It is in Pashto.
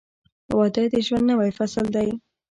• واده د ژوند نوی فصل دی.